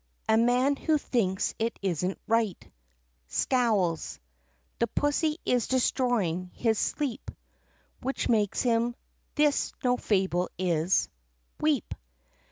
A man who thinks it is n't right Scowls. The pussy is destroying his Sleep , Which makes him ( this no fable is) Weep.